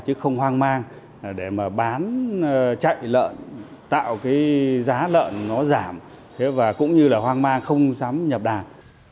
chứ không hoang mang để bán chạy lợn tạo giá lợn nó giảm cũng như hoang mang không dám nhập đàn